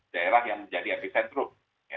daerah yang menjadi epicentrum